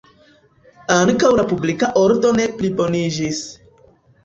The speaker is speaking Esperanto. Ankaŭ la publika ordo ne pliboniĝis.